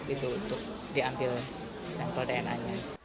itu untuk diambil sampel dna nya